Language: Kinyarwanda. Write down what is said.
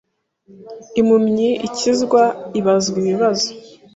Impumyi ikizwa Ibazwa ibibazo